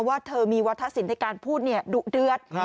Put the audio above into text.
ว่าเธอมีวัฒนศิลปในการพูดดุเดือด